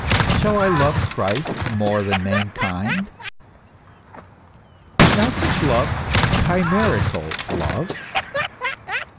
Shall I love Christ more than mankind? Is not such love a chimerical love?